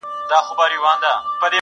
• د بې پته مرګ په خوله کي به یې شپه وي -